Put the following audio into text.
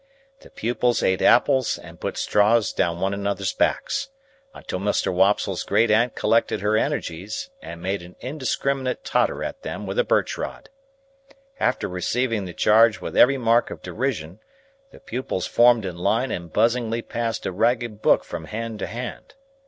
The pupils ate apples and put straws down one another's backs, until Mr. Wopsle's great aunt collected her energies, and made an indiscriminate totter at them with a birch rod. After receiving the charge with every mark of derision, the pupils formed in line and buzzingly passed a ragged book from hand to hand.